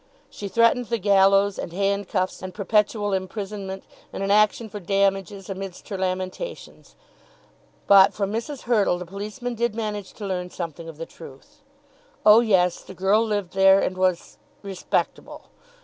She threatened the gallows, and handcuffs, and perpetual imprisonment, and an action for damages amidst her lamentations. But from Mrs. Hurtle the policemen did manage to learn something of the truth. Oh yes; the girl lived there and was respectable.